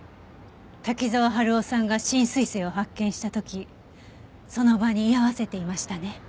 滝沢春夫さんが新彗星を発見した時その場に居合わせていましたね。